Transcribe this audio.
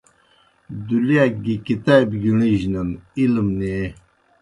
دُلِیاک گیْ کتابیْ گِݨجنَن علم نیں